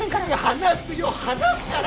話すよ話すから！